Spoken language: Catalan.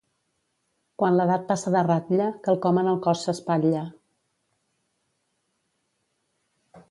Quan l'edat passa de ratlla, quelcom en el cos s'espatlla.